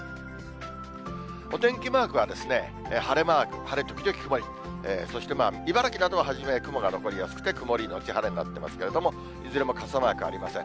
お天気マークは、晴れマーク、晴れ時々曇り、そしてまあ、茨城などは初め雲が残りやすくて、曇り後晴れになってますけれども、いずれも傘マークありません。